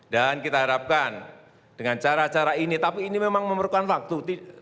dan kita harapkan dengan cara cara ini tapi ini memang memerlukan waktu